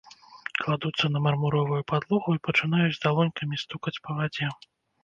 Кладуцца на мармуровую падлогу і пачынаюць далонькамі стукаць па вадзе.